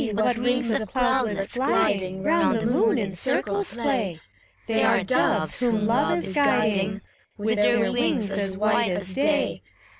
what rings of cloudlets, gliding Round the moon, in circles play ! 128 FAUST, They are doves whom Love is guiding. With their wings as white as day.